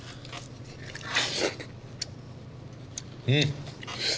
うん！